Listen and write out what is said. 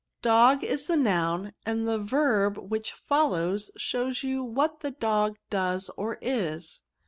" Dog is the noun, and the verb which follows shows you what the dog does or is.